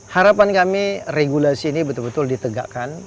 harapan kami regulasi ini betul betul ditegakkan